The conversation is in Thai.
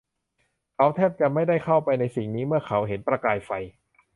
เขาแทบจะไม่ได้เข้าไปในสิ่งนี้เมื่อเขาเห็นประกายไฟ